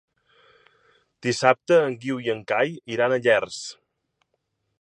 Dissabte en Guiu i en Cai iran a Llers.